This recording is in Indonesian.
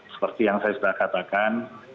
seperti yang saya sudah katakan